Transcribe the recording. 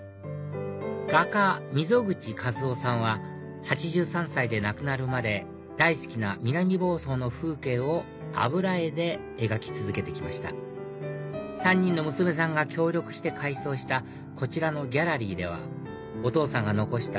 画家溝口七生さんは８３歳で亡くなるまで大好きな南房総の風景を油絵で描き続けて来ました３人の娘さんが協力して改装したこちらのギャラリーではお父さんが残した